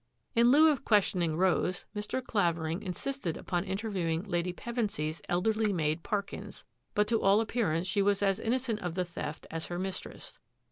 In lieu of questioning Rose, Mr. Claverinj sisted upon interviewing Lady Pevensy's eL maid, Parkins; but to all appearance she wj innocent of the theft as her mistress.